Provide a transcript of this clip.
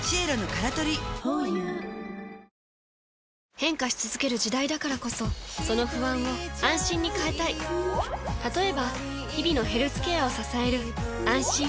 変化し続ける時代だからこそその不安を「あんしん」に変えたい例えば日々のヘルスケアを支える「あんしん」